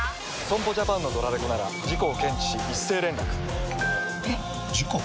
損保ジャパンのドラレコなら事故を検知し一斉連絡ピコンえっ？！事故？！